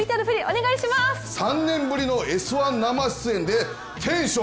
３年ぶりの「Ｓ☆１」生出演でテンション